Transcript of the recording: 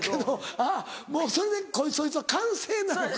あっもうそれでそいつは完成なのか。